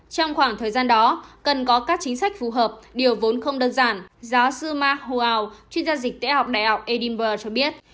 trong khoảng thời gian đó cần có các chính sách phù hợp điều vốn không đơn giản giáo sư mark hual chuyên gia dịch tế học đại học edinburgh cho biết